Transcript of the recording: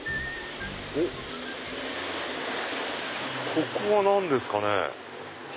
ここは何ですかね？